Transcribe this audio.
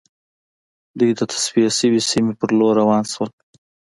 دوی د تصفیه شوې سیمې په لور روان شول